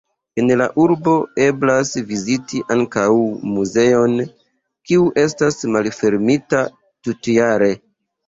En la urbo eblas viziti ankaŭ muzeon, kiu estas malfermita tutjare.